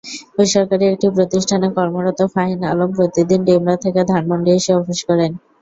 বেসরকারি একটি প্রতিষ্ঠানে কর্মরত ফাহিম আলম প্রতিদিন ডেমরা থেকে ধানমন্ডি এসে অফিস করেন।